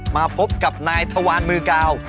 มาพบกับนายทวารมือกาว